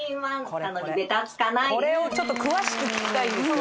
これをちょっと詳しく聞きたいです